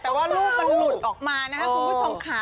แต่ว่าลูกมันหลุดออกมานะครับคุณผู้ชมค่ะ